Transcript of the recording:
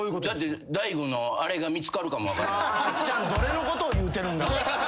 松ちゃんどれのことを言うてるんだろう？